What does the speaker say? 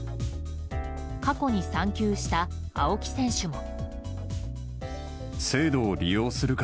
過去に産休した青木選手も。